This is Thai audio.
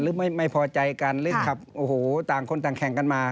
หรือไม่พอใจกันหรือขับต่างคนต่างแข่งกันมา